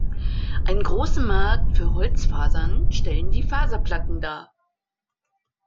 Einen großen Markt für Holzfasern stellen die Faserplatten dar.